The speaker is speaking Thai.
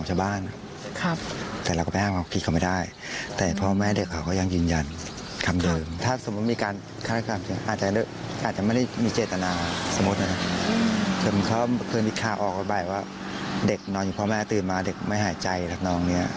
เคยมีข่าวออกมาบ่ายว่าเด็กนอนอยู่พ่อแม่ตื่นมาเด็กไม่หายใจรับน้องเนี่ย